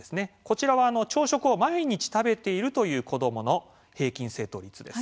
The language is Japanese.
こちらは朝食を毎日食べているという子どもの平均正答率です。